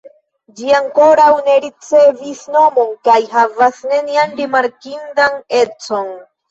Ĝi ankoraŭ ne ricevis nomon kaj havas nenian rimarkindan econ.